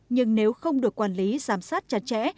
nhưng nếu không được quản lý giám sát chặt chẽ